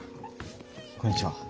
こんにちは。